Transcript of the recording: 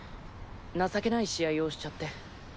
情けない試合をしちゃって。